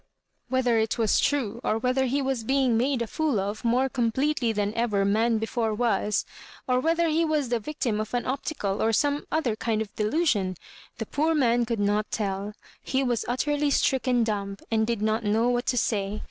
Whether it was true — or whether he was being made a fool of more completely than ever man before was — or whether he was the victim of an optical or some other kind of delusion, — the poor man could not telL He was utterly stricken dumb, and did not know what to say.